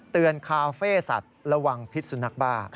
คาเฟ่สัตว์ระวังพิษสุนัขบ้า